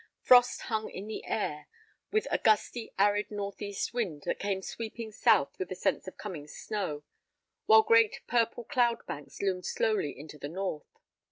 Frost hung in the air, with a gusty, arid northeast wind that came sweeping south with a sense of coming snow, while great purple cloudbanks loomed slowly into the north.